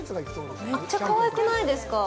めっちゃかわいくないですか？